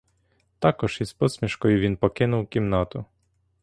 Також із посмішкою він покинув кімнату.